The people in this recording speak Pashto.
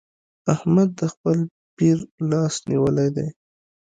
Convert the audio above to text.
احمد د خپل پير لاس نيولی دی.